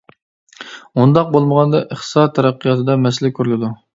ئۇنداق بولمىغاندا، ئىقتىساد تەرەققىياتىدا مەسىلە كۆرۈلىدۇ.